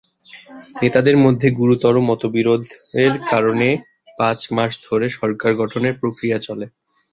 নেতাদের মধ্যে গুরুতর মতবিরোধের কারণে পাঁচ মাস ধরে সরকার গঠনের প্রক্রিয়া চলে।